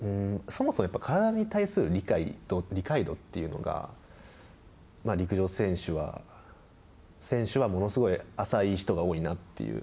そもそも、やっぱり体に対する理解度というのが陸上選手は選手はものすごい浅い人が多いなという。